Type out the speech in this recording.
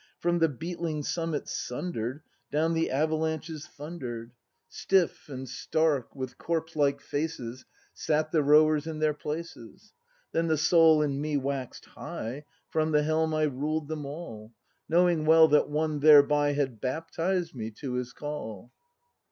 From the beetling summits sunder'd. Down the avalanches thunder'd; ACT IV] BRAND 157 Stiff and stark, with corpse like faces Sat the rowers in their places. Then the soul in me wax'd high; From the helm I ruled them all. Knowing well that One thereby Had baptized me to His call!